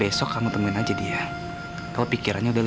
istimewam sekalian di sesuai tanggustan